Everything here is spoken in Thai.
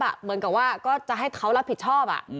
เหมือนกับว่าก็จะให้เขารับผิดชอบ